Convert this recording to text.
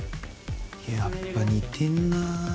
やっぱ似てんなぁ。